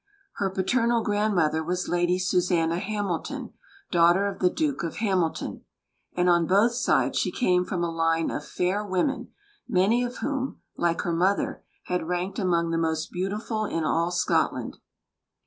Her paternal grandmother was Lady Susanna Hamilton, daughter of the Duke of Hamilton; and on both sides she came from a line of fair women, many of whom, like her mother, had ranked among the most beautiful in all Scotland.